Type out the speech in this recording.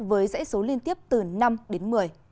với giải số liên tiếp từ năm đến một mươi